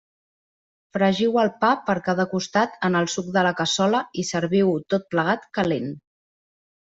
Fregiu el pa per cada costat en el suc de la cassola i serviu-ho tot plegat calent.